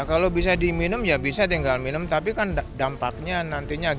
sebuah elokasi terburiesan untuk kesejahteraan miaksanya murung